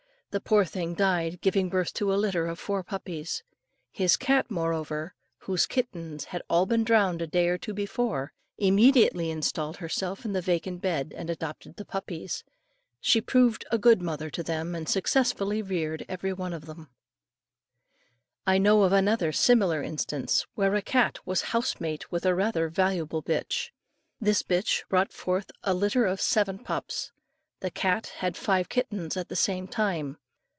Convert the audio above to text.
The poor thing died giving birth to a litter of four puppies. His cat, however, whose kittens had been all drowned a day or too before, immediately installed herself in the vacant bed and adopted the puppies. She proved a good mother to them, and successfully reared every one of them. I know of another similar instance, where a cat was house mate with a rather valuable bitch; this bitch brought forth a litter of seven pups. The cat had five kittens at the same time.